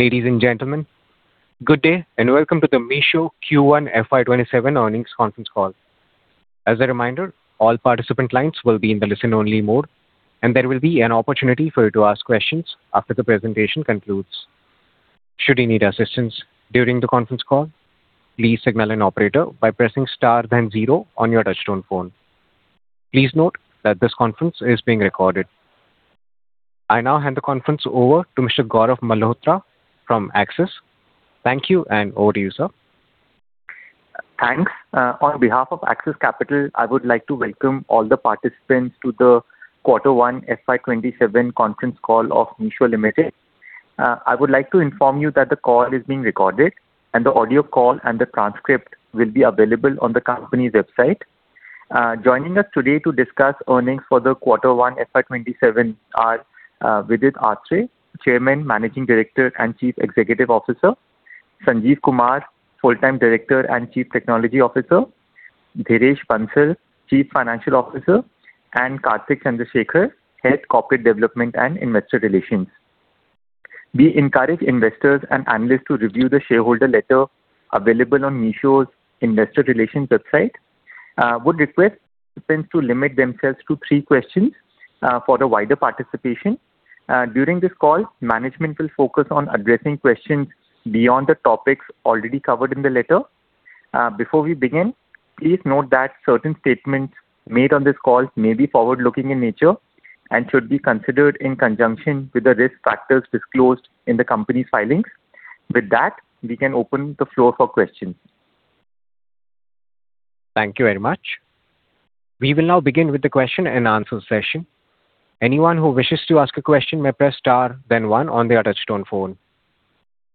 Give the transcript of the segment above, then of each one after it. Ladies and gentlemen, good day and welcome to the Meesho Q1 FY 2027 earnings conference call. As a reminder, all participant lines will be in the listen-only mode, and there will be an opportunity for you to ask questions after the presentation concludes. Should you need assistance during the conference call, please signal an operator by pressing star then zero on your touchtone phone. Please note that this conference is being recorded. I now hand the conference over to Mr. Gaurav Malhotra from Axis. Thank you, over to you, sir. Thanks. On behalf of Axis Capital, I would like to welcome all the participants to the quarter one FY 2027 conference call of Meesho Limited. I would like to inform you that the call is being recorded, the audio call and the transcript will be available on the company's website. Joining us today to discuss earnings for the quarter one FY 2027 are Vidit Aatrey, Chairman, Managing Director, and Chief Executive Officer; Sanjeev Barnwal, Full-time Director and Chief Technology Officer; Dhiresh Bansal, Chief Financial Officer; and Karthik Chandrashekar, Head Corporate Development and Investor Relations. We encourage investors and analysts to review the shareholder letter available on Meesho's investor relations website. We would request participants to limit themselves to three questions for the wider participation. During this call, management will focus on addressing questions beyond the topics already covered in the letter. Before we begin, please note that certain statements made on this call may be forward-looking in nature and should be considered in conjunction with the risk factors disclosed in the company's filings. With that, we can open the floor for questions. Thank you very much. We will now begin with the question-and-answer session. Anyone who wishes to ask a question may press star then one on their touchtone phone.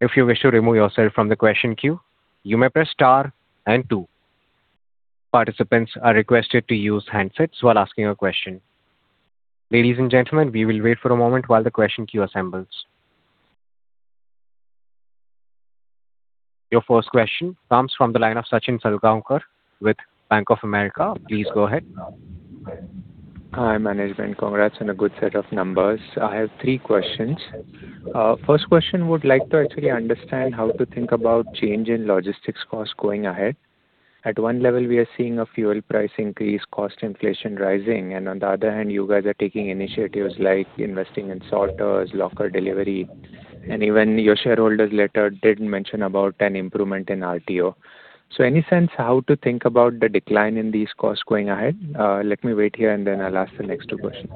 If you wish to remove yourself from the question queue, you may press star and two. Participants are requested to use handsets while asking a question. Ladies and gentlemen, we will wait for a moment while the question queue assembles. Your first question comes from the line of Sachin Salgaonkar with Bank of America. Please go ahead. Hi, management. Congrats on a good set of numbers. I have three questions. First question, would like to actually understand how to think about change in logistics cost going ahead. At one level, we are seeing a fuel price increase, cost inflation rising, and on the other hand, you guys are taking initiatives like investing in sorters, locker delivery, and even your shareholders' letter did mention about an improvement in RTO. Any sense how to think about the decline in these costs going ahead? Let me wait here, and then I'll ask the next two questions.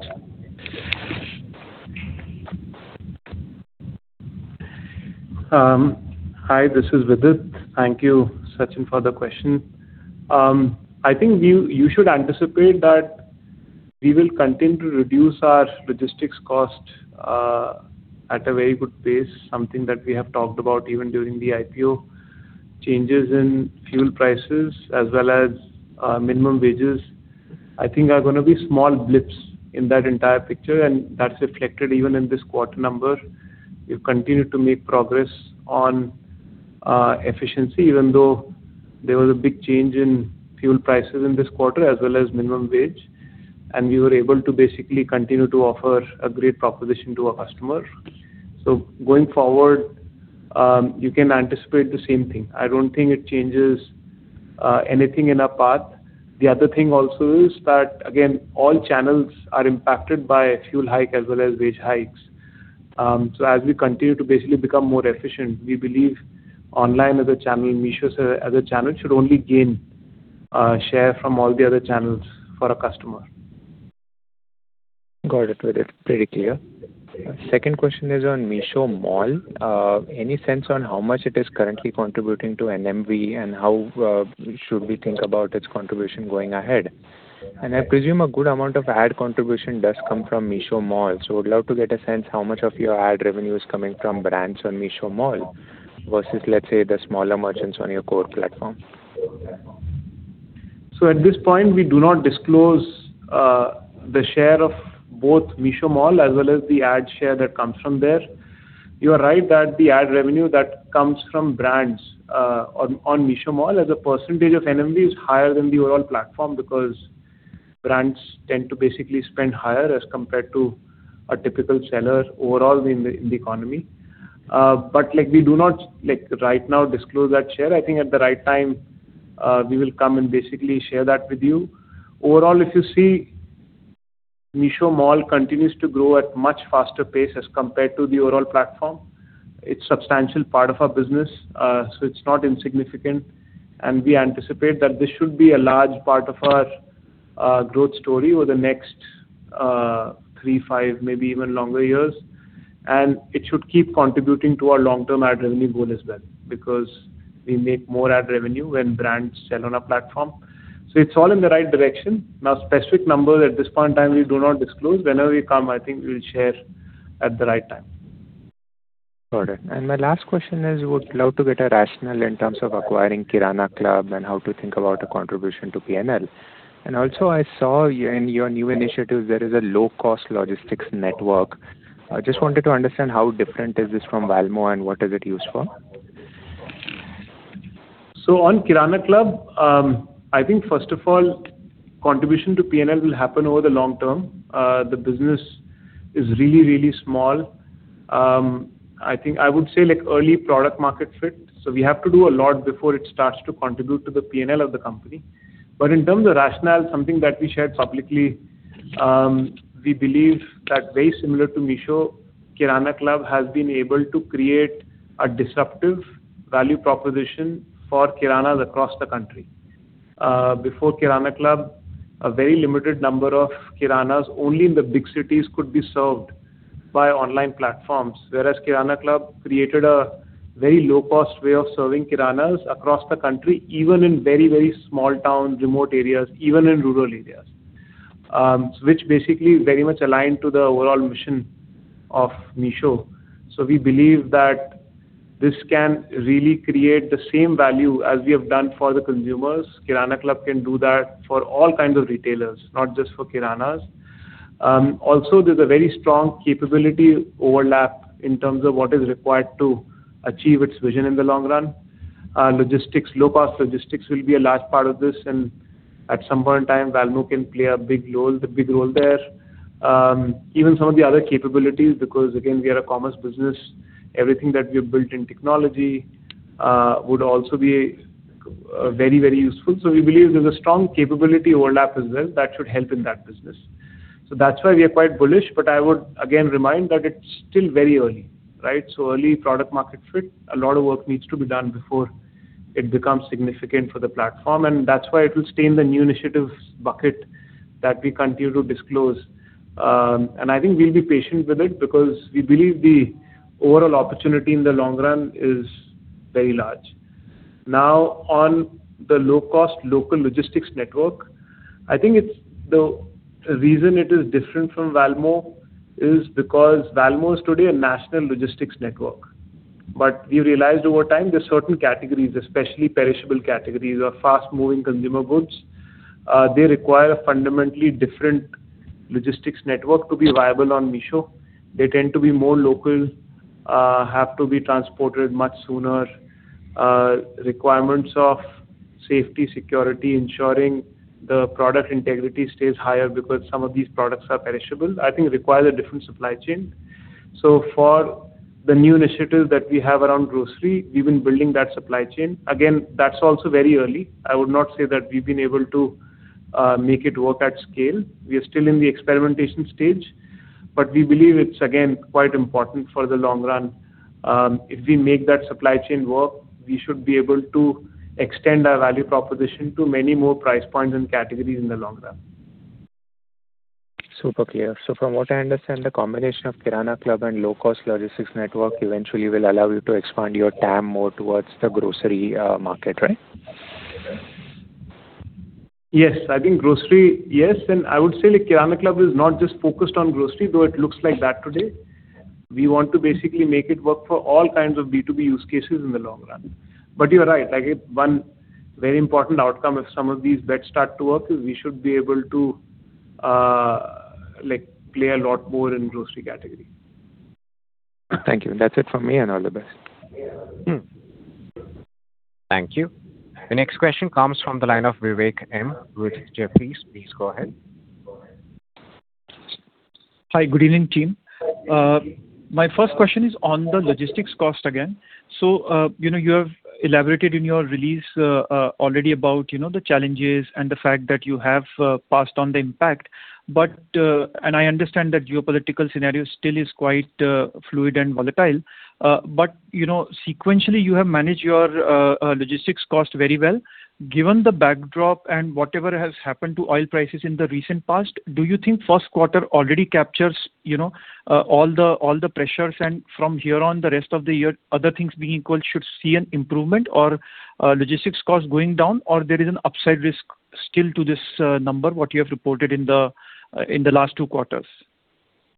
Hi, this is Vidit. Thank you, Sachin, for the question. I think you should anticipate that we will continue to reduce our logistics cost at a very good pace, something that we have talked about even during the IPO. Changes in fuel prices as well as minimum wages, I think are going to be small blips in that entire picture, and that's reflected even in this quarter number. We've continued to make progress on efficiency, even though there was a big change in fuel prices in this quarter as well as minimum wage, and we were able to basically continue to offer a great proposition to our customer. Going forward, you can anticipate the same thing. I don't think it changes anything in our path. The other thing also is that, again, all channels are impacted by fuel hike as well as wage hikes. As we continue to basically become more efficient, we believe online as a channel, Meesho as a channel, should only gain share from all the other channels for a customer. Got it, Vidit. Pretty clear. Second question is on Meesho Mall. Any sense on how much it is currently contributing to NMV and how should we think about its contribution going ahead? I presume a good amount of ad contribution does come from Meesho Mall. Would love to get a sense how much of your ad revenue is coming from brands on Meesho Mall versus, let's say, the smaller merchants on your core platform. At this point, we do not disclose the share of both Meesho Mall as well as the ad share that comes from there. You are right that the ad revenue that comes from brands on Meesho Mall as a percentage of NMV is higher than the overall platform because brands tend to basically spend higher as compared to a typical seller overall in the economy. We do not right now disclose that share. I think at the right time, we will come and basically share that with you. Overall, if you see, Meesho Mall continues to grow at much faster pace as compared to the overall platform. It's substantial part of our business, so it's not insignificant, and we anticipate that this should be a large part of our growth story over the next three, five, maybe even longer years. It should keep contributing to our long-term ad revenue goal as well, because we make more ad revenue when brands sell on our platform. It's all in the right direction. Now, specific numbers at this point in time, we do not disclose. Whenever we come, I think we'll share at the right time. Got it. My last question is, would love to get a rationale in terms of acquiring Kirana Club and how to think about a contribution to P&L. Also, I saw in your new initiatives, there is a low-cost logistics network. I just wanted to understand how different is this from Valmo and what is it used for? On Kirana Club, I think first of all, contribution to P&L will happen over the long term. The business is really, really small. I would say early product market fit, so we have to do a lot before it starts to contribute to the P&L of the company. In terms of rationale, something that we shared publicly, we believe that very similar to Meesho, Kirana Club has been able to create a disruptive value proposition for kiranas across the country. Before Kirana Club, a very limited number of kiranas, only in the big cities could be served by online platforms. Whereas Kirana Club created a very low-cost way of serving kiranas across the country, even in very, very small towns, remote areas, even in rural areas, which basically very much aligned to the overall mission of Meesho. We believe that this can really create the same value as we have done for the consumers. Kirana Club can do that for all kinds of retailers, not just for kiranas. Also, there's a very strong capability overlap in terms of what is required to achieve its vision in the long run. Low-cost logistics will be a large part of this, and at some point in time, Valmo can play a big role there. Even some of the other capabilities, because, again, we are a commerce business, everything that we've built in technology would also be very, very useful. We believe there's a strong capability overlap as well that should help in that business. That's why we are quite bullish, but I would, again, remind that it's still very early. Early product market fit, a lot of work needs to be done before it becomes significant for the platform, and that's why it will stay in the new initiatives bucket that we continue to disclose. I think we'll be patient with it because we believe the overall opportunity in the long run is very large. On the low-cost local logistics network, I think the reason it is different from Valmo is because Valmo is today a national logistics network. We realized over time there are certain categories, especially perishable categories or fast-moving consumer goods, they require a fundamentally different logistics network to be viable on Meesho. They tend to be more local, have to be transported much sooner. Requirements of safety, security, ensuring the product integrity stays higher because some of these products are perishable, I think require a different supply chain. For the new initiatives that we have around grocery, we've been building that supply chain. Again, that's also very early. I would not say that we've been able to make it work at scale. We are still in the experimentation stage, but we believe it's, again, quite important for the long run. If we make that supply chain work, we should be able to extend our value proposition to many more price points and categories in the long run. Super clear. From what I understand, the combination of Kirana Club and low-cost logistics network eventually will allow you to expand your TAM more towards the grocery market, right? Yes. I think grocery, yes, I would say Kirana Club is not just focused on grocery, though it looks like that today. We want to basically make it work for all kinds of B2B use cases in the long run. You're right. One very important outcome if some of these bets start to work is we should be able to play a lot more in grocery category. Thank you. That's it from me, all the best. Thank you. The next question comes from the line of Vivek M. with Jefferies. Please go ahead. Hi. Good evening, team. My first question is on the logistics cost again. You have elaborated in your release already about the challenges and the fact that you have passed on the impact. I understand that geopolitical scenario still is quite fluid and volatile. Sequentially, you have managed your logistics cost very well. Given the backdrop and whatever has happened to oil prices in the recent past, do you think first quarter already captures all the pressures, and from here on the rest of the year, other things being equal should see an improvement or logistics cost going down, or there is an upside risk still to this number, what you have reported in the last two quarters?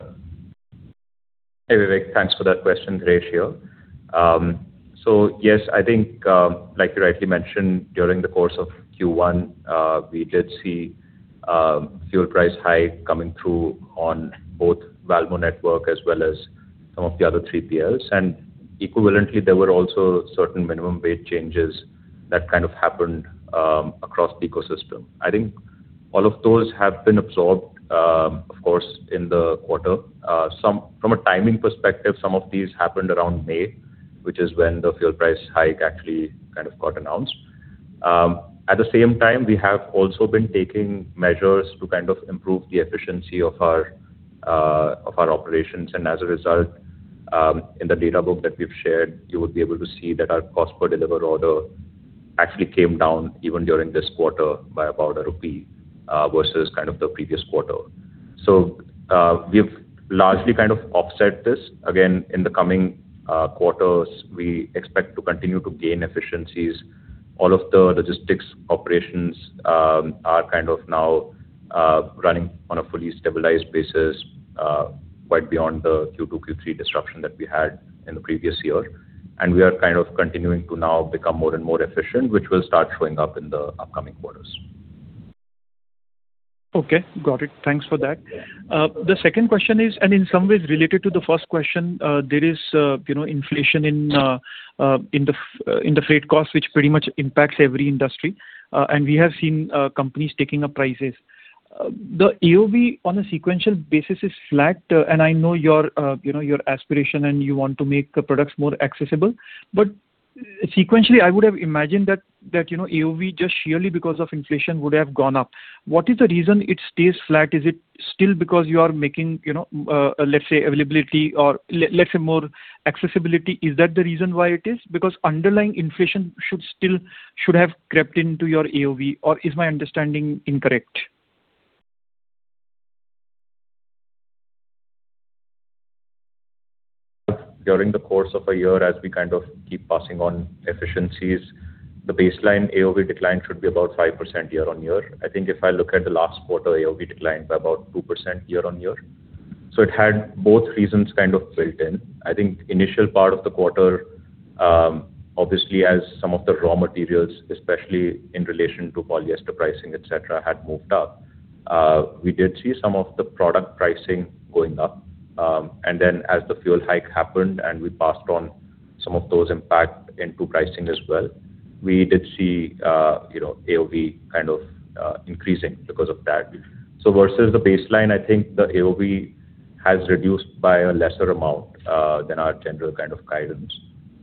Hey, Vivek. Thanks for that question. Dhiresh here. Yes, I think, like you rightly mentioned, during the course of Q1, we did see fuel price hike coming through on both Valmo network as well as some of the other 3PLs. Equivalently, there were also certain minimum wage changes that happened across the ecosystem. I think all of those have been absorbed, of course, in the quarter. From a timing perspective, some of these happened around May, which is when the fuel price hike actually got announced. At the same time, we have also been taking measures to improve the efficiency of our operations. As a result, in the data book that we've shared, you would be able to see that our cost per delivered order actually came down even during this quarter by about INR 1 versus the previous quarter. We've largely offset this. Again, in the coming quarters, we expect to continue to gain efficiencies. All of the logistics operations are now running on a fully stabilized basis, quite beyond the Q2, Q3 disruption that we had in the previous year. We are continuing to now become more and more efficient, which will start showing up in the upcoming quarters. Okay, got it. Thanks for that. The second question is, in some ways related to the first question, there is inflation in the freight cost, which pretty much impacts every industry. We have seen companies taking up prices. The AOV on a sequential basis is flat. I know your aspiration and you want to make products more accessible, but sequentially, I would have imagined that AOV just sheerly because of inflation would have gone up. What is the reason it stays flat? Is it still because you are making, let's say, availability or, let's say, more accessibility? Is that the reason why it is? Because underlying inflation should have crept into your AOV, or is my understanding incorrect? During the course of a year, as we keep passing on efficiencies, the baseline AOV decline should be about 5% year-over-year. I think if I look at the last quarter AOV decline by about 2% year-over-year. It had both reasons kind of built in. I think initial part of the quarter, obviously as some of the raw materials, especially in relation to polyester pricing, et cetera, had moved up, we did see some of the product pricing going up. Then as the fuel hike happened and we passed on some of those impact into pricing as well, we did see AOV increasing because of that. Versus the baseline, I think the AOV has reduced by a lesser amount than our general kind of guidance.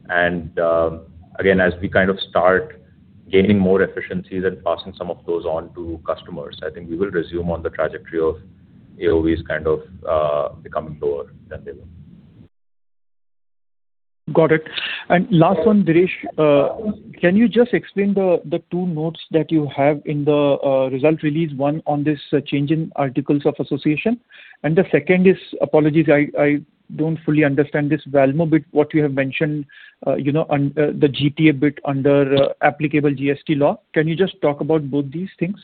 Again, as we start gaining more efficiencies and passing some of those on to customers, I think we will resume on the trajectory of AOVs becoming lower than they were. Got it. Last one, Dhiresh. Can you just explain the two notes that you have in the result release, one on this change in articles of association, and the second is, apologies, I don't fully understand this Valmo bit, what you have mentioned the GTA bit under applicable GST law. Can you just talk about both these things?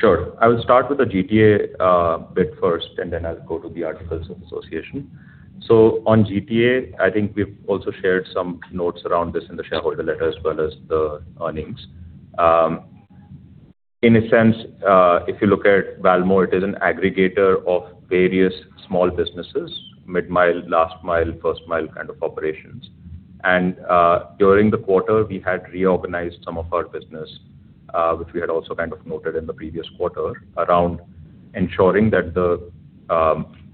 Sure. I will start with the GTA bit first. Then I'll go to the articles of association. On GTA, I think we've also shared some notes around this in the shareholder letter as well as the earnings. In a sense, if you look at Valmo, it is an aggregator of various small businesses, mid-mile, last-mile, first-mile kind of operations. During the quarter we had reorganized some of our business, which we had also kind of noted in the previous quarter around ensuring that the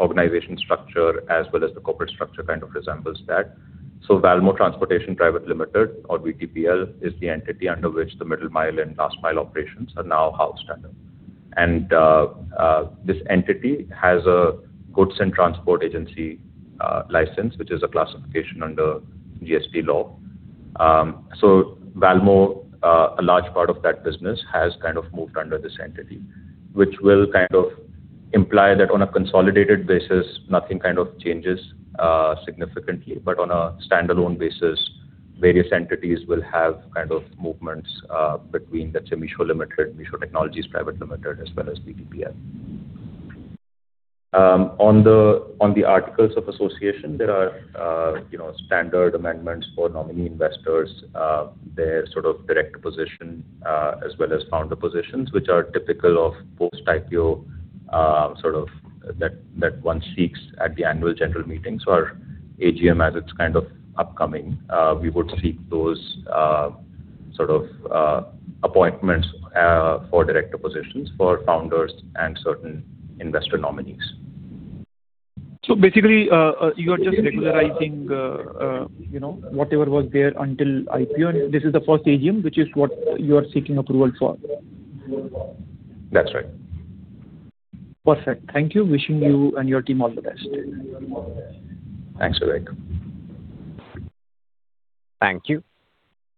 organization structure as well as the corporate structure kind of resembles that. Valmo Transportation Private Limited or VTPL is the entity under which the middle-mile and last-mile operations are now housed under. This entity has a Goods and Transport Agency license, which is a classification under GST law. Valmo, a large part of that business has moved under this entity, which will kind of imply that on a consolidated basis, nothing changes significantly. On a standalone basis, various entities will have movements between, let's say, Vishal Limited, Vishal Technologies Private Limited, as well as VTPL. On the articles of association, there are standard amendments for nominee investors, their sort of director position, as well as founder positions, which are typical of post IPO that one seeks at the annual general meeting. Our AGM, as it's kind of upcoming, we would seek those sort of appointments for director positions for founders and certain investor nominees. Basically, you are just regularizing whatever was there until IPO, and this is the first AGM, which is what you are seeking approval for. That's right. Perfect. Thank you. Wishing you and your team all the best. Thanks, Vivek. Thank you.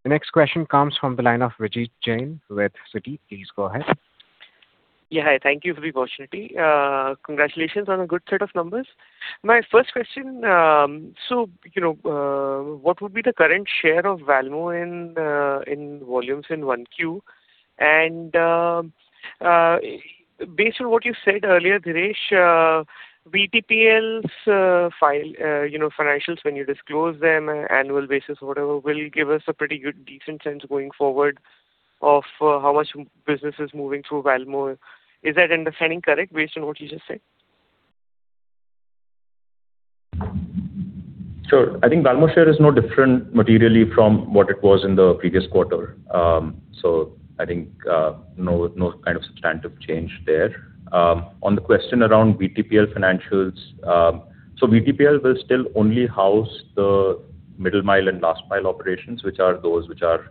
The next question comes from the line of Vijit Jain with Citi. Please go ahead. Yeah. Hi. Thank you for the opportunity. Congratulations on a good set of numbers. My first question, what would be the current share of Valmo in volumes in 1Q? Based on what you said earlier, Dhiresh, VTPL's financials when you disclose them annual basis or whatever, will give us a pretty good decent sense going forward of how much business is moving through Valmo. Is that understanding correct based on what you just said? Sure. I think Valmo share is no different materially from what it was in the previous quarter. I think no kind of substantive change there. On the question around VTPL financials, VTPL will still only house the middle mile and last mile operations, which are those which are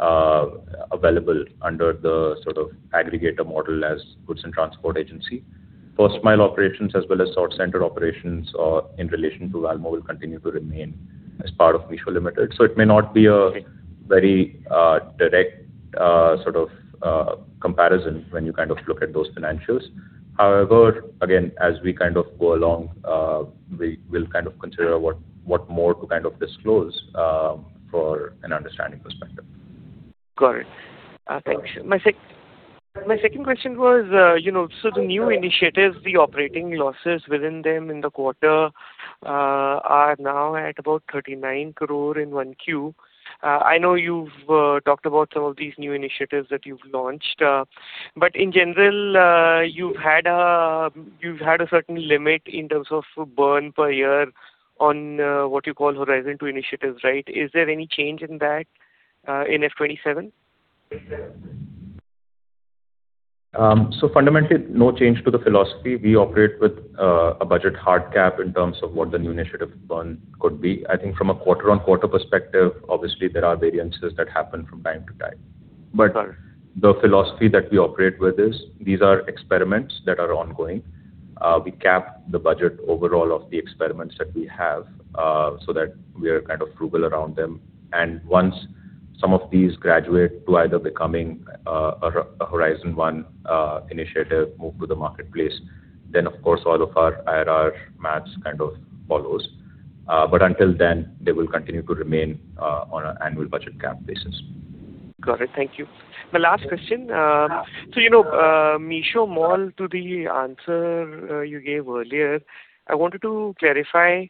available under the sort of aggregator model as goods and transport agency. First mile operations as well as sort center operations in relation to Valmo will continue to remain as part of Vishal Limited. It may not be a very direct sort of comparison when you look at those financials. However, again, as we go along, we'll consider what more to disclose for an understanding perspective. Got it. Thank you. My second question was, the new initiatives, the operating losses within them in the quarter are now at about 39 crore in 1Q. I know you've talked about some of these new initiatives that you've launched. In general, you've had a certain limit in terms of burn per year on what you call Horizon 2 initiatives, right? Is there any change in that in FY 2027? Fundamentally, no change to the philosophy. We operate with a budget hard cap in terms of what the new initiative burn could be. I think from a quarter-on-quarter perspective, obviously there are variances that happen from time to time. Got it. The philosophy that we operate with is these are experiments that are ongoing. We cap the budget overall of the experiments that we have, so that we are kind of frugal around them. Once some of these graduate to either becoming a Horizon one initiative move to the marketplace, then of course all of our IRR maths kind of follows. Until then, they will continue to remain on an annual budget cap basis. Got it. Thank you. My last question. Meesho Mall, to the answer you gave earlier, I wanted to clarify,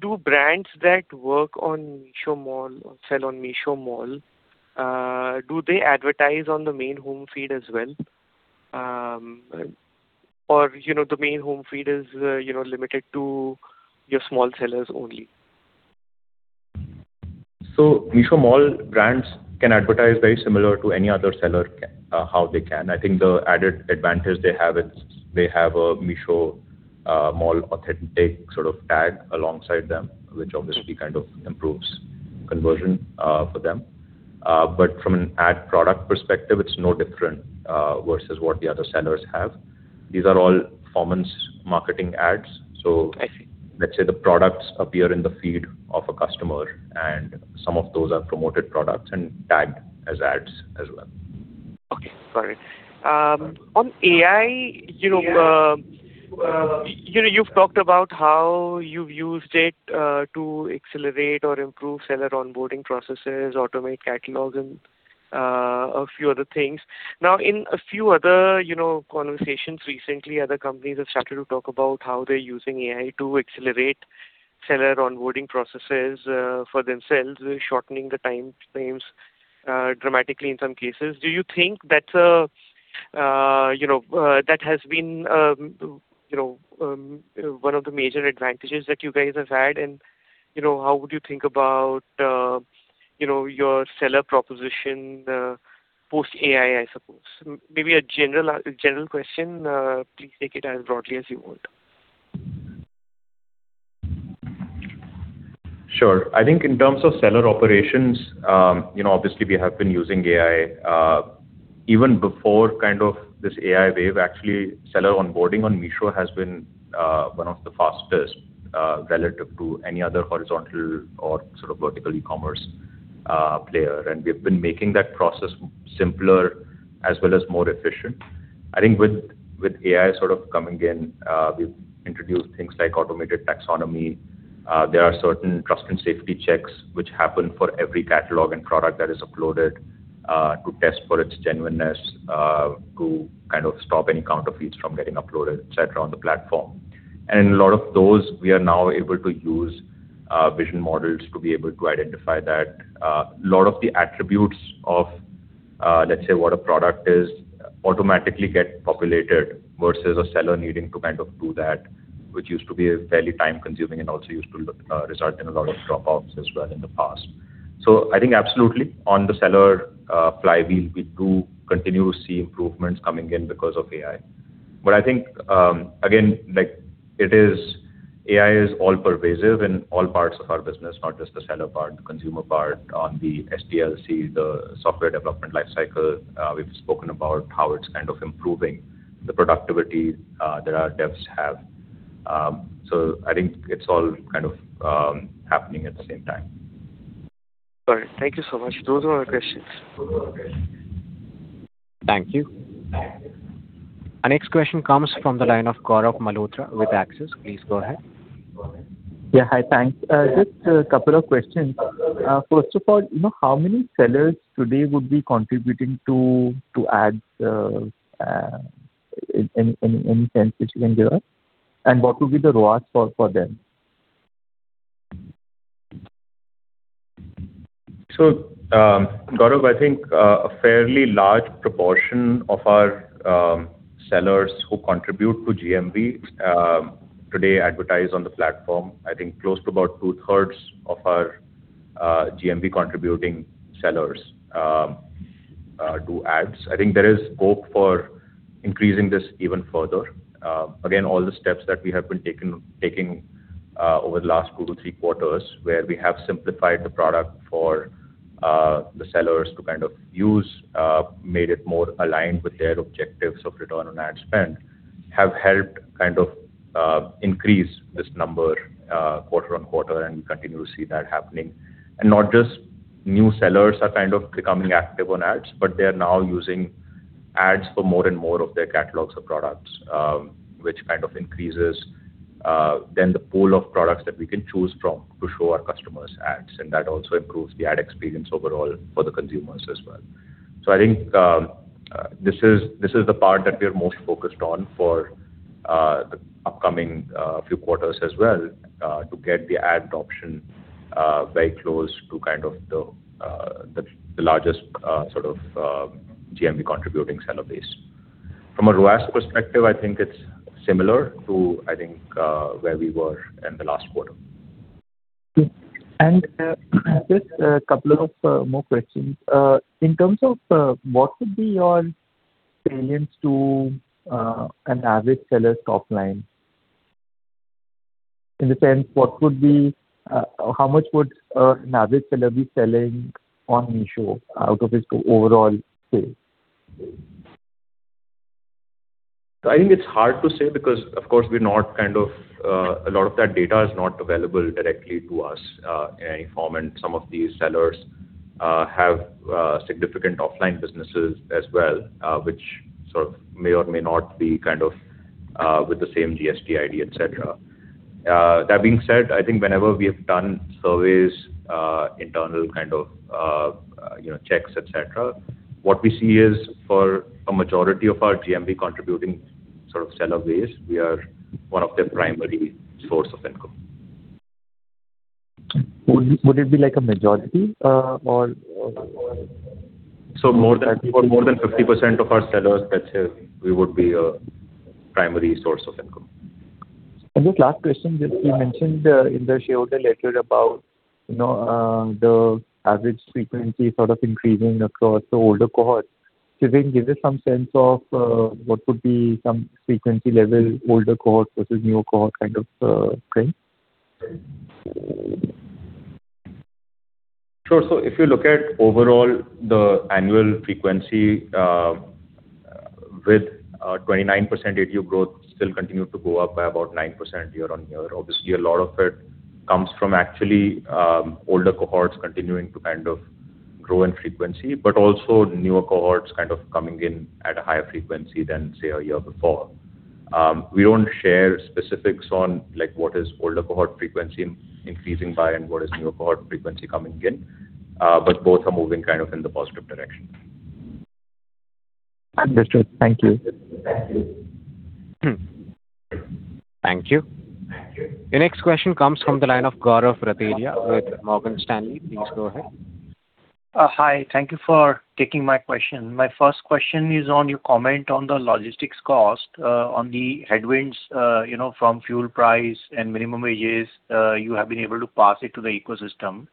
do brands that work on Meesho Mall or sell on Meesho Mall, do they advertise on the main home feed as well? Or the main home feed is limited to your small sellers only? Meesho Mall brands can advertise very similar to any other seller how they can. I think the added advantage they have is they have a Meesho Mall authentic sort of tag alongside them, which obviously kind of improves conversion for them. From an ad product perspective, it's no different versus what the other sellers have. These are all performance marketing ads. I see. Let's say the products appear in the feed of a customer, and some of those are promoted products and tagged as ads as well. Okay. Got it. On AI- Yes. You've talked about how you've used it to accelerate or improve seller onboarding processes, automate catalogs, and a few other things. In a few other conversations recently, other companies have started to talk about how they're using AI to accelerate seller onboarding processes for themselves, shortening the timeframes dramatically in some cases. Do you think that has been one of the major advantages that you guys have had, and how would you think about your seller proposition, post AI, I suppose? Maybe a general question, please take it as broadly as you want. Sure. I think in terms of seller operations, obviously we have been using AI. Even before kind of this AI wave, actually, seller onboarding on Meesho has been one of the fastest, relative to any other horizontal or sort of vertical e-commerce player. We've been making that process simpler as well as more efficient. I think with AI sort of coming in, we've introduced things like automated taxonomy. There are certain trust and safety checks which happen for every catalog and product that is uploaded, to test for its genuineness, to kind of stop any counterfeits from getting uploaded, et cetera, on the platform. A lot of those, we are now able to use vision models to be able to identify that. A lot of the attributes of, let's say, what a product is automatically get populated versus a seller needing to kind of do that, which used to be fairly time-consuming and also used to result in a lot of drop-offs as well in the past. I think absolutely, on the seller flywheel, we do continue to see improvements coming in because of AI. I think, again, AI is all-pervasive in all parts of our business, not just the seller part, the consumer part, on the SDLC, the Software Development Life Cycle. We've spoken about how it's kind of improving the productivity that our developers have. I think it's all kind of happening at the same time. Got it. Thank you so much. Those were our questions. Thank you. Our next question comes from the line of Gaurav Malhotra with Axis. Please go ahead. Yeah. Hi, thanks. Just a couple of questions. First of all, how many sellers today would be contributing to ads, any sense which you can give us? What would be the ROAS for them? Gaurav, I think a fairly large proportion of our sellers who contribute to GMV today advertise on the platform. I think close to about 2/3 of our GMV-contributing sellers do ads. I think there is scope for increasing this even further. Again, all the steps that we have been taking over the last two to three quarters, where we have simplified the product for the sellers to kind of use, made it more aligned with their objectives of return on ad spend, have helped increase this number quarter-on-quarter, and we continue to see that happening. Not just new sellers are kind of becoming active on ads, but they're now using ads for more and more of their catalogs of products, which kind of increases then the pool of products that we can choose from to show our customers ads, and that also improves the ad experience overall for the consumers as well. I think this is the part that we are most focused on for the upcoming few quarters as well, to get the ad option very close to the largest GMV contributing seller base. From a ROAS perspective, I think it's similar to, I think, where we were in the last quarter. Just a couple of more questions. In terms of what would be your salience to an average seller's top line? In the sense, how much would an average seller be selling on Meesho out of his overall sales? I think it's hard to say because, of course, a lot of that data is not available directly to us in any form, and some of these sellers have significant offline businesses as well, which may or may not be with the same GST ID, et cetera. That being said, I think whenever we have done surveys, internal checks, et cetera, what we see is for a majority of our GMV contributing seller base, we are one of their primary source of income. Would it be like a majority or- More than 50% of our sellers, I'd say we would be a primary source of income. This last question, you mentioned in the shareholder letter about the average frequency increasing across the older cohort. Could you then give us some sense of what would be some frequency level older cohort versus newer cohort frame? Sure. If you look at, overall, the annual frequency with 29% year-over-year growth still continued to go up by about 9% year-on-year. Obviously, a lot of it comes from actually older cohorts continuing to grow in frequency, but also newer cohorts coming in at a higher frequency than, say, a year before. We don't share specifics on what is older cohort frequency increasing by and what is newer cohort frequency coming in, but both are moving in the positive direction. Understood. Thank you. Thank you. The next question comes from the line of Gaurav Rateria with Morgan Stanley. Please go ahead. Hi. Thank you for taking my question. My first question is on your comment on the logistics cost, on the headwinds from fuel price and minimum wages, you have been able to pass it to the ecosystem.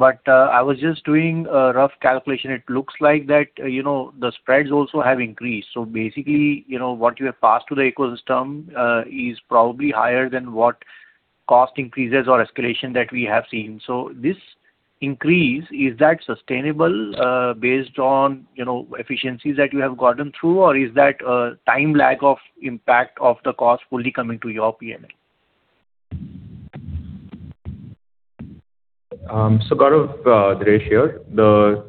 I was just doing a rough calculation. It looks like that the spreads also have increased. Basically, what you have passed to the ecosystem is probably higher than what cost increases or escalation that we have seen. This increase, is that sustainable based on efficiencies that you have gotten through, or is that a time lag of impact of the cost fully coming to your P&L? Gaurav, Dhiresh here. The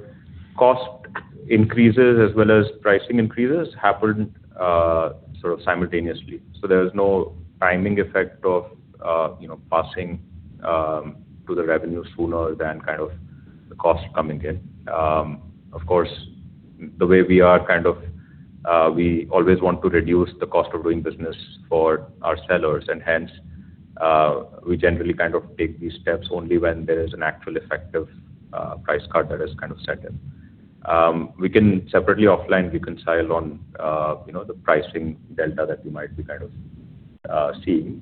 cost increases as well as pricing increases happened simultaneously. There was no timing effect of passing to the revenue sooner than the cost coming in. Of course, the way we are, we always want to reduce the cost of doing business for our sellers, and hence, we generally take these steps only when there is an actual effect of price cut that has set in. We can separately offline reconcile on the pricing delta that you might be seeing.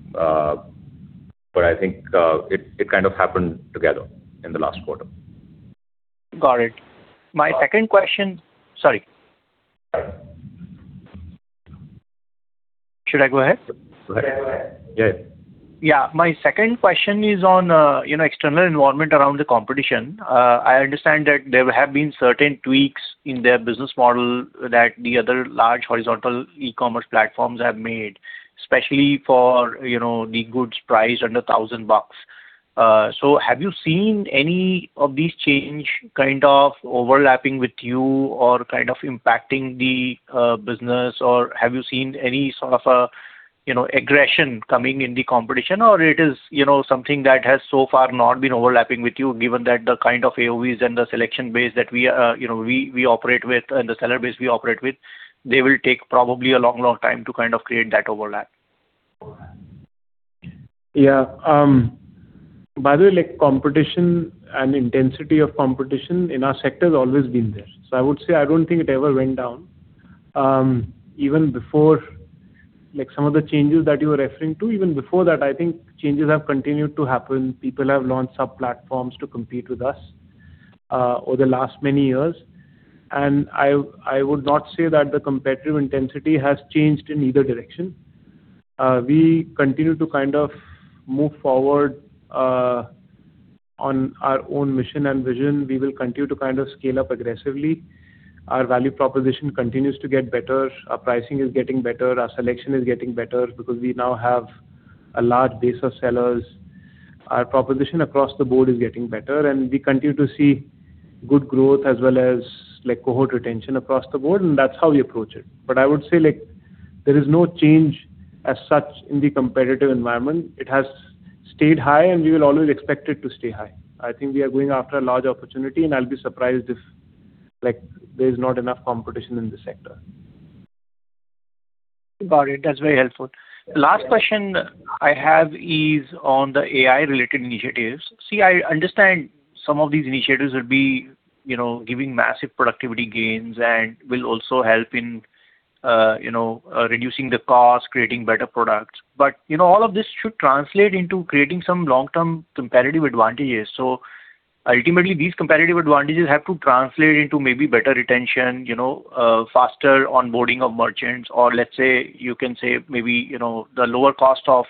I think it happened together in the last quarter. Got it. My second question. Sorry. Should I go ahead? Go ahead. Yes. My second question is on external environment around the competition. I understand that there have been certain tweaks in their business model that the other large horizontal e-commerce platforms have made, especially for the goods priced under INR 1,000. Have you seen any of these change overlapping with you or impacting the business, or have you seen any sort of aggression coming in the competition, or it is something that has so far not been overlapping with you, given that the kind of AOV and the selection base that we operate with and the seller base we operate with, they will take probably a long, long time to create that overlap? Yeah. By the way, competition and intensity of competition in our sector has always been there. I would say I don't think it ever went down. Some of the changes that you're referring to, even before that, I think changes have continued to happen. People have launched sub-platforms to compete with us over the last many years. I would not say that the competitive intensity has changed in either direction. We continue to move forward on our own mission and vision. We will continue to scale up aggressively. Our value proposition continues to get better. Our pricing is getting better. Our selection is getting better because we now have a large base of sellers. Our proposition across the board is getting better, and we continue to see good growth as well as cohort retention across the board, and that's how we approach it. I would say, there is no change as such in the competitive environment. It has stayed high, and we will always expect it to stay high. I think we are going after a large opportunity, and I'll be surprised if there's not enough competition in this sector. Got it. That's very helpful. Last question I have is on the AI-related initiatives. I understand some of these initiatives will be giving massive productivity gains and will also help in reducing the cost, creating better products. All of this should translate into creating some long-term competitive advantages. Ultimately, these competitive advantages have to translate into maybe better retention, faster onboarding of merchants, or let's say, you can say maybe, the lower cost of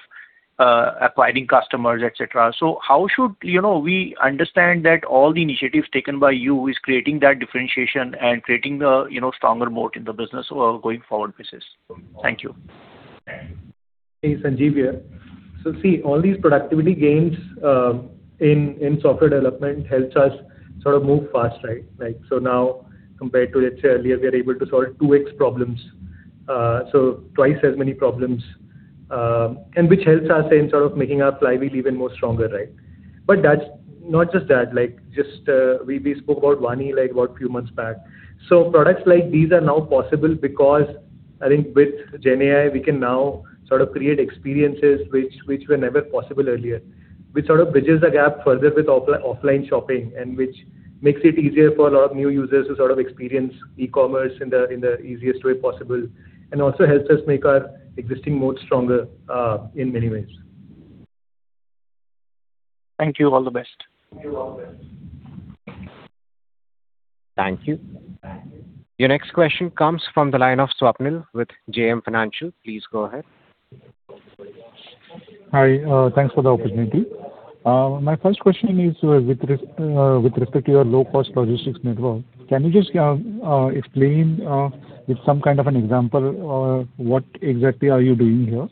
acquiring customers, et cetera. How should we understand that all the initiatives taken by you are creating that differentiation and creating a stronger moat in the business or going forward basis? Thank you. Hey, Sanjeev here. All these productivity gains in software development helps us sort of move fast, right? Now compared to, let's say earlier, we are able to solve 2X problems, so twice as many problems, which helps us in sort of making our flywheel even more stronger, right? Not just that. We spoke about Vaani few months back. Products like these are now possible because I think with GenAI, we can now create experiences which were never possible earlier, which sort of bridges the gap further with offline shopping, which makes it easier for a lot of new users to experience e-commerce in the easiest way possible, also helps us make our existing moat stronger in many ways. Thank you. All the best. Thank you. Your next question comes from the line of Swapnil with JM Financial. Please go ahead. Hi. Thanks for the opportunity. My first question is with respect to your low-cost logistics network. Can you just explain with some kind of an example what exactly are you doing here,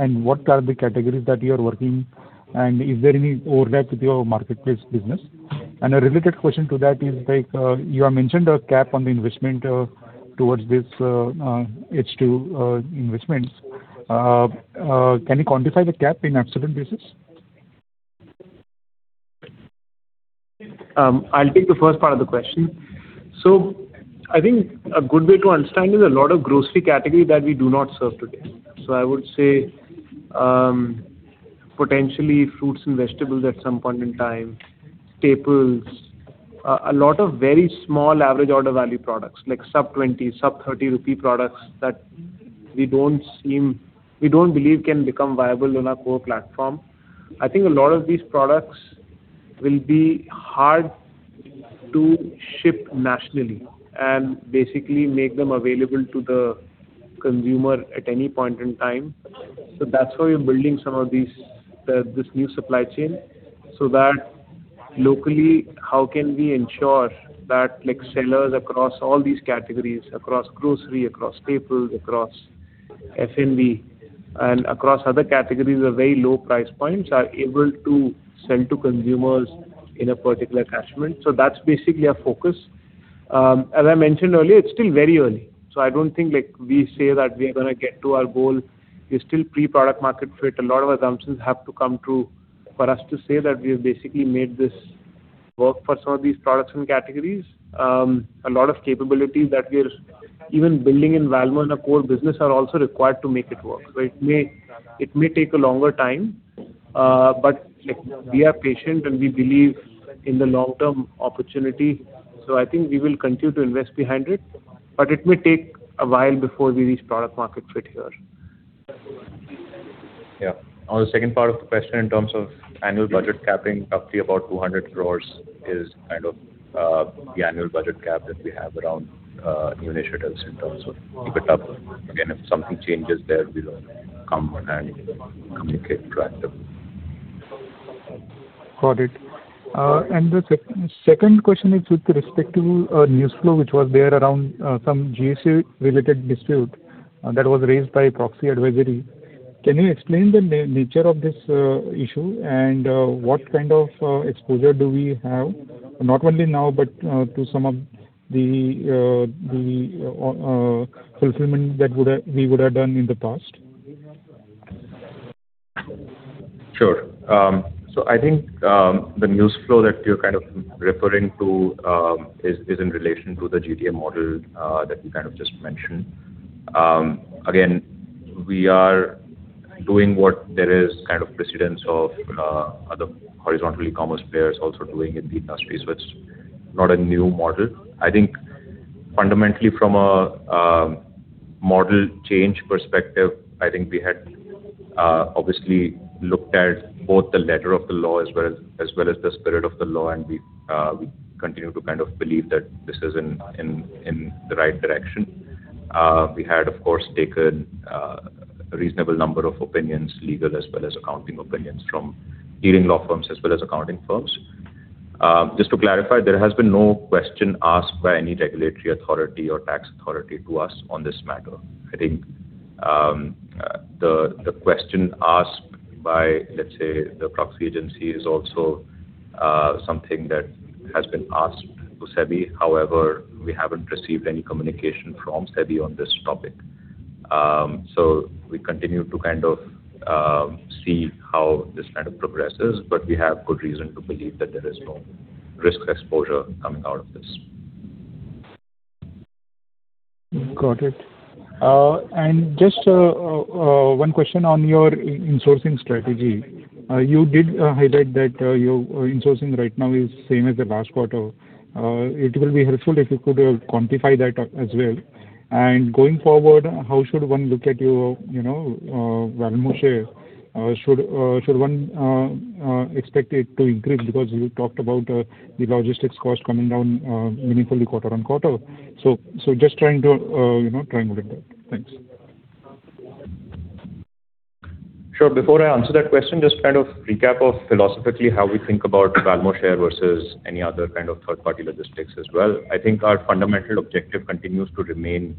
and what are the categories that you're working, and is there any overlap with your marketplace business? A related question to that is, you have mentioned a cap on the investment towards these H2 investments. Can you quantify the cap in absolute basis? I'll take the first part of the question. I think a good way to understand is a lot of grocery category that we do not serve today. I would say, potentially fruits and vegetables at some point in time, staples, a lot of very small average order value products, like sub-20, sub-30 INR products that we don't believe can become viable on our core platform. I think a lot of these products will be hard to ship nationally and basically make them available to the consumer at any point in time. That's why we're building some of this new supply chain so that locally, how can we ensure that sellers across all these categories, across grocery, across staples, across F&B, and across other categories of very low price points, are able to sell to consumers in a particular catchment. That's basically our focus. As I mentioned earlier, it's still very early. I don't think we say that we are going to get to our goal. We're still pre-product market fit. A lot of assumptions have to come true for us to say that we have basically made this work for some of these products and categories. A lot of capabilities that we're even building in Valmo on a core business are also required to make it work. It may take a longer time, but we are patient and we believe in the long-term opportunity. I think we will continue to invest behind it, but it may take a while before we reach product market fit here. Yeah. On the second part of the question, in terms of annual budget capping, roughly about 200 crore is kind of the annual budget cap that we have around new initiatives in terms of keep it up. Again, if something changes there, we'll come and communicate proactively. Got it. The second question is with respect to news flow, which was there around some GST-related dispute that was raised by proxy advisory. Can you explain the nature of this issue and what kind of exposure do we have, not only now, but to some of the fulfillment that we would have done in the past? Sure. I think, the news flow that you're referring to is in relation to the GTM model that you just mentioned. Again, we are doing what there is kind of precedence of other horizontal e-commerce players also doing in the industry. It's not a new model. I think fundamentally from a model change perspective, I think we had obviously looked at both the letter of the law as well as the spirit of the law, we continue to believe that this is in the right direction. We had, of course, taken a reasonable number of opinions, legal as well as accounting opinions, from leading law firms as well as accounting firms. Just to clarify, there has been no question asked by any regulatory authority or tax authority to us on this matter. The question asked by, let's say, the proxy agency is also something that has been asked to SEBI. However, we haven't received any communication from SEBI on this topic. We continue to see how this progresses, but we have good reason to believe that there is no risk exposure coming out of this. Got it. Just one question on your insourcing strategy. You did highlight that your insourcing right now is the same as the last quarter. It will be helpful if you could quantify that as well. Going forward, how should one look at your Valmo share? Should one expect it to increase because you talked about the logistics cost coming down meaningfully quarter-on-quarter. Just trying to triangulate that. Thanks. Sure. Before I answer that question, just to recap of philosophically how we think about Valmo share versus any other kind of third-party logistics as well. I think our fundamental objective continues to remain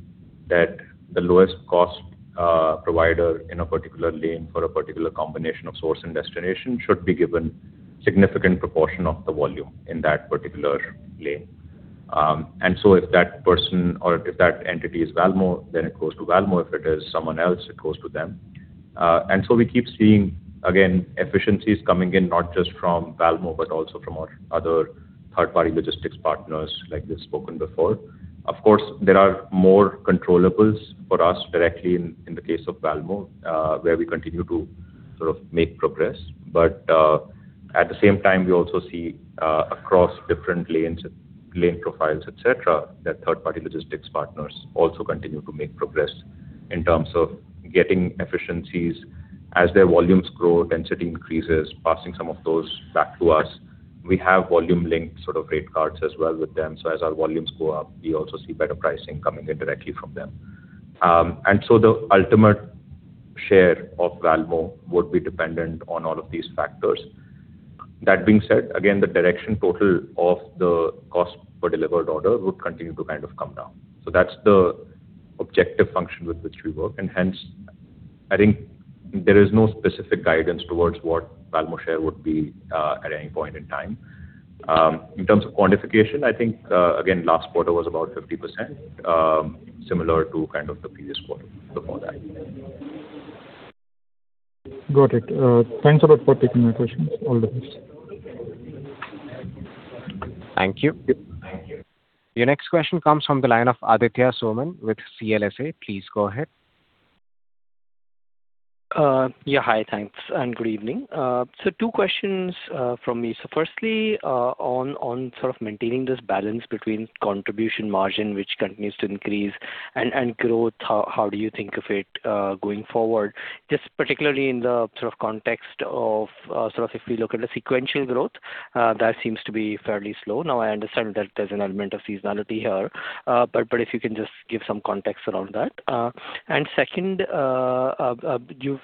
that the lowest cost provider in a particular lane for a particular combination of source and destination should be given significant proportion of the volume in that particular lane. If that person or if that entity is Valmo, then it goes to Valmo. If it is someone else, it goes to them. We keep seeing, again, efficiencies coming in, not just from Valmo, but also from our other third-party logistics partners, like we've spoken before. Of course, there are more controllables for us directly in the case of Valmo, where we continue to sort of make progress. At the same time, we also see across different lane profiles, et cetera, that third-party logistics partners also continue to make progress in terms of getting efficiencies as their volumes grow, density increases, passing some of those back to us. We have volume-linked sort of rate cards as well with them. As our volumes go up, we also see better pricing coming in directly from them. The ultimate share of Valmo would be dependent on all of these factors. That being said, again, the direction total of the cost per delivered order would continue to come down. That's the objective function with which we work. I think there is no specific guidance towards what Valmo share would be at any point in time. In terms of quantification, I think, again, last quarter was about 50%, similar to the previous quarter before that. Got it. Thanks a lot for taking my questions. All the best. Thank you. Your next question comes from the line of Aditya Soman with CLSA. Please go ahead. Hi, thanks, and good evening. Two questions from me. Firstly, on maintaining this balance between contribution margin, which continues to increase and growth, how do you think of it going forward? Just particularly in the context of if we look at the sequential growth, that seems to be fairly slow. I understand that there's an element of seasonality here, but if you can just give some context around that. Second,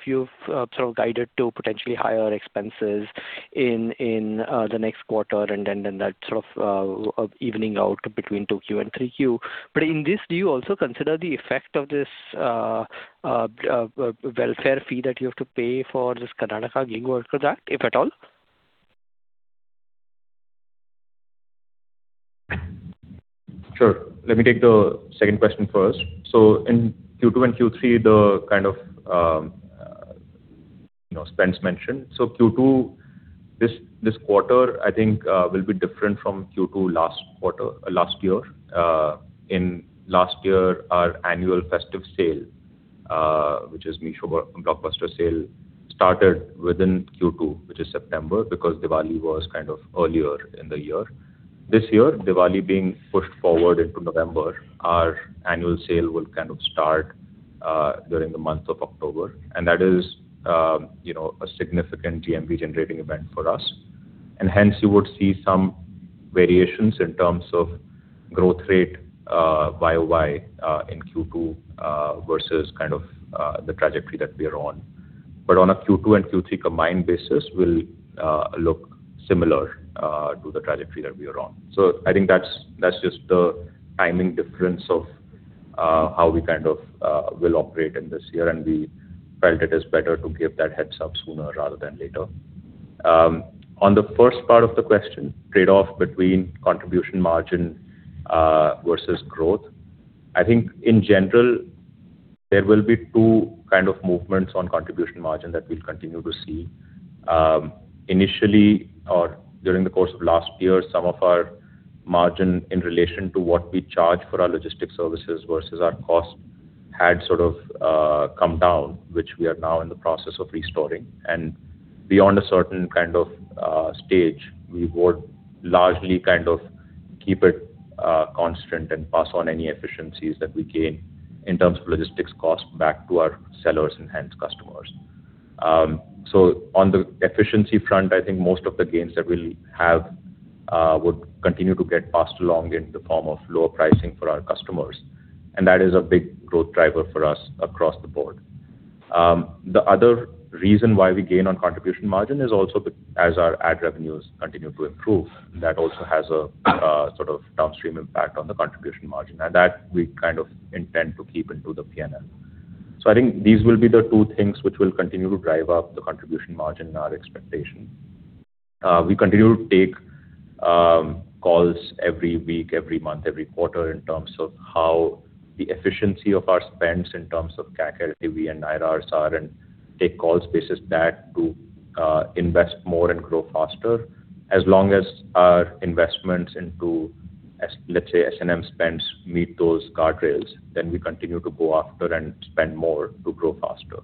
you've sort of guided to potentially higher expenses in the next quarter and then that sort of evening out between 2Q and 3Q. But in this, do you also consider the effect of this welfare fee that you have to pay for this Karnataka Gig Worker Act, if at all? Sure. Let me take the second question first. In 2Q and 3Q, the kind of spends mentioned. 2Q, this quarter, I think, will be different from 2Q last year. Last year, our annual festive sale, which is Mega Blockbuster Sale, started within 2Q, which is September, because Diwali was earlier in the year. This year, Diwali being pushed forward into November, our annual sale will start during the month of October, and that is a significant GMV-generating event for us. Hence you would see some variations in terms of growth rate year-over-year in 2Q versus the trajectory that we are on. On a 2Q and 3Q combined basis will look similar to the trajectory that we are on. I think that's just the timing difference of how we will operate in this year, and we felt it is better to give that heads up sooner rather than later. On the first part of the question, trade-off between contribution margin versus growth, I think in general, there will be two kinds of movements on contribution margin that we'll continue to see. Initially or during the course of last year, some of our margin in relation to what we charge for our logistics services versus our cost had sort of come down, which we are now in the process of restoring. Beyond a certain stage, we would largely keep it constant and pass on any efficiencies that we gain in terms of logistics cost back to our sellers and hence customers. On the efficiency front, I think most of the gains that we'll have would continue to get passed along in the form of lower pricing for our customers. That is a big growth driver for us across the board. The other reason why we gain on contribution margin is also as our ad revenues continue to improve, that also has a sort of downstream impact on the contribution margin, and that we intend to keep into the P&L. I think these will be the two things which will continue to drive up the contribution margin in our expectation. We continue to take calls every week, every month, every quarter in terms of how the efficiency of our spends in terms of CAC, LTV, and IRR are, and take calls based on that to invest more and grow faster. As long as our investments into, let's say, S&M spends meet those guardrails, we continue to go after and spend more to grow faster.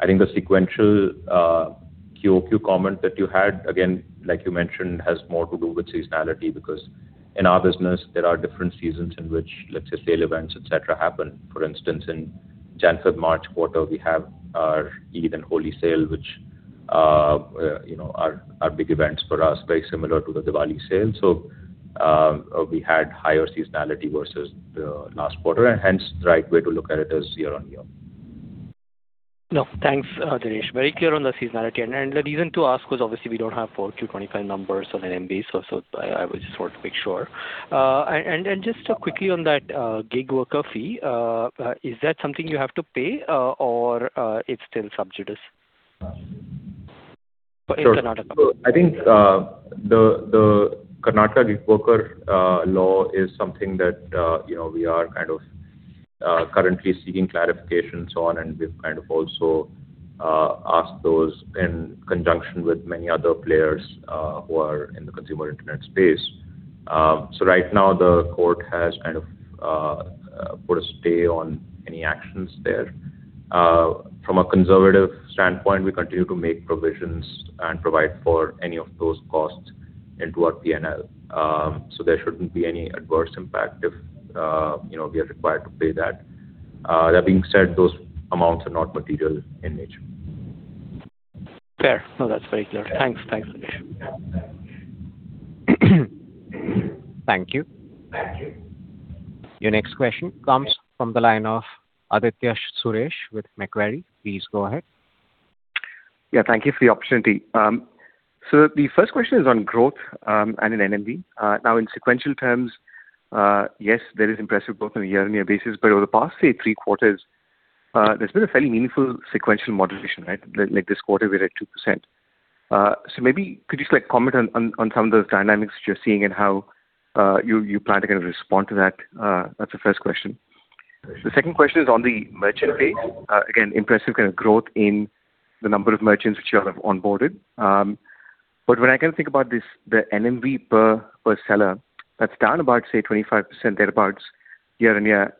I think the sequential quarter-over-quarter comment that you had, again, like you mentioned, has more to do with seasonality because in our business there are different seasons in which, let's say, sale events, et cetera, happen. For instance, in January-March quarter, we have our Eid and Holi sale, which are big events for us, very similar to the Diwali sale. We had higher seasonality versus the last quarter, and hence the right way to look at it is year-over-year. No. Thanks, Dhiresh. Very clear on the seasonality. The reason to ask was obviously we don't have 4Q 2025 numbers on NMV, I just wanted to make sure. Just quickly on that gig worker fee, is that something you have to pay or it's still sub judice in Karnataka? Sure. I think the Karnataka gig worker law is something that we are currently seeking clarifications on, and we've also asked those in conjunction with many other players who are in the consumer internet space. Right now the court has put a stay on any actions there. From a conservative standpoint, we continue to make provisions and provide for any of those costs into our P&L. There shouldn't be any adverse impact if we are required to pay that. That being said, those amounts are not material in nature. Fair. No, that's very clear. Thanks, Dhiresh. Thank you. Your next question comes from the line of Aditya Suresh with Macquarie. Please go ahead. Yeah, thank you for the opportunity. The first question is on growth and in NMV. Now, in sequential terms, yes, there is impressive growth on a year-on-year basis. But over the past, say, three quarters, there's been a fairly meaningful sequential moderation. Like this quarter, we're at 2%. Maybe could you just comment on some of the dynamics that you're seeing and how you plan to respond to that? That's the first question. The second question is on the merchant base. Again, impressive growth in the number of merchants which you all have onboarded. But when I think about the NMV per seller, that's down about, say, 25% thereabouts year-on-year.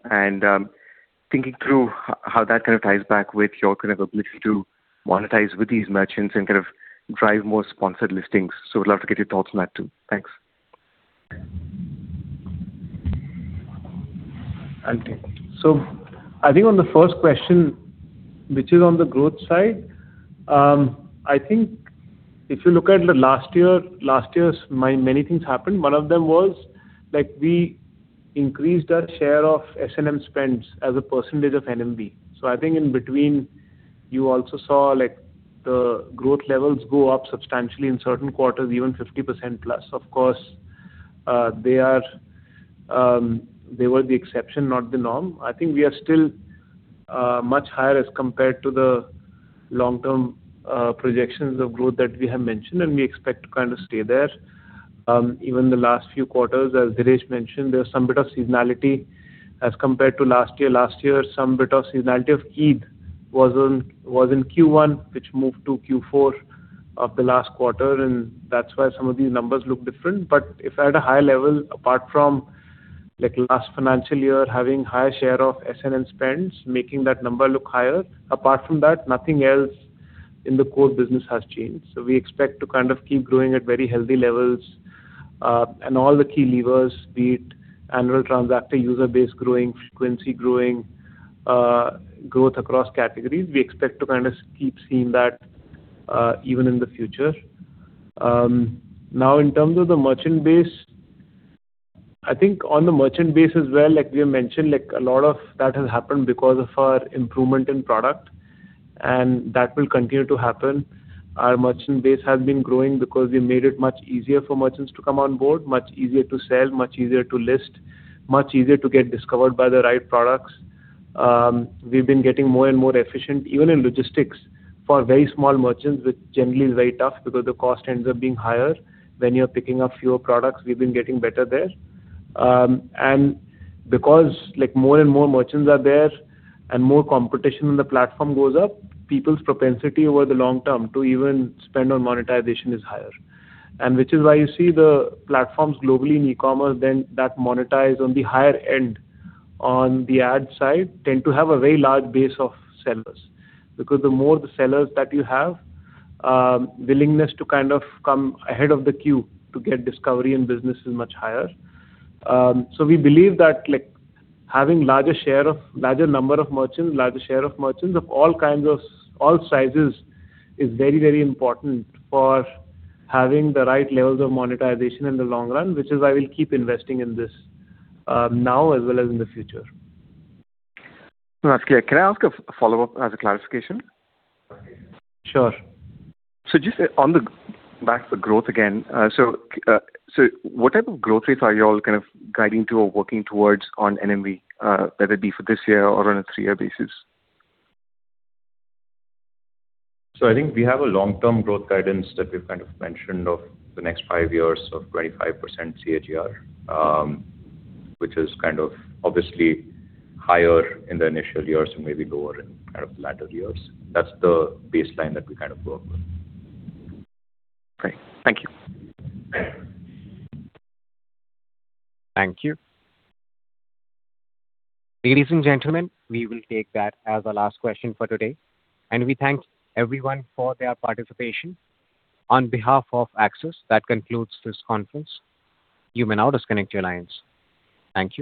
Thinking through how that ties back with your ability to monetize with these merchants and drive more sponsored listings. Would love to get your thoughts on that, too. Thanks. I'll take it. I think on the first question, which is on the growth side, I think if you look at last year, many things happened. One of them was we increased our share of S&M spends as a percentage of NMV. I think in between, you also saw the growth levels go up substantially in certain quarters, even 50%+. Of course, they were the exception, not the norm. I think we are still much higher as compared to the long-term projections of growth that we have mentioned, and we expect to stay there. Even the last few quarters, as Dhiresh mentioned, there's some bit of seasonality as compared to last year. Last year, some bit of seasonality of Eid was in Q1, which moved to Q4 of the last quarter, and that's why some of these numbers look different. If at a high level, apart from last financial year, having high share of S&M spends, making that number look higher. Apart from that, nothing else in the core business has changed. We expect to keep growing at very healthy levels. All the key levers, be it annual transactor user base growing, frequency growing, growth across categories, we expect to keep seeing that even in the future. In terms of the merchant base, I think on the merchant base as well, like we mentioned, a lot of that has happened because of our improvement in product, and that will continue to happen. Our merchant base has been growing because we made it much easier for merchants to come on board, much easier to sell, much easier to list, much easier to get discovered by the right products. We've been getting more and more efficient, even in logistics, for very small merchants, which generally is very tough because the cost ends up being higher when you're picking up fewer products. We've been getting better there. Because more and more merchants are there and more competition on the platform goes up, people's propensity over the long term to even spend on monetization is higher. Which is why you see the platforms globally in e-commerce, then that monetize on the higher end on the ad side tend to have a very large base of sellers. The more the sellers that you have, willingness to come ahead of the queue to get discovery and business is much higher. We believe that having larger number of merchants, larger share of merchants of all sizes is very important for having the right levels of monetization in the long run, which is why we'll keep investing in this now as well as in the future. That's clear. Can I ask a follow-up as a clarification? Sure. Just on the back of the growth again. What type of growth rates are you all guiding to or working towards on NMV, whether it be for this year or on a three-year basis? I think we have a long-term growth guidance that we've mentioned of the next five years of 25% CAGR, which is obviously higher in the initial years and maybe lower in latter years. That's the baseline that we work with. Great. Thank you. Thank you. Ladies and gentlemen, we will take that as the last question for today. We thank everyone for their participation. On behalf of Axis, that concludes this conference. You may now disconnect your lines. Thank you.